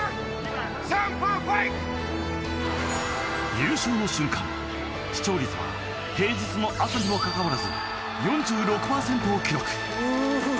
優勝の瞬間、視聴率は平日の朝にもかかわらず４６％を記録。